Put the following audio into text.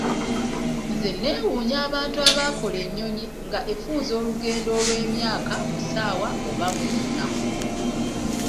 Nze neewuunya abantu abaakola ennyonyi nga efunza olugendo olw'emyaka mu ssaawa oba mu nnaku.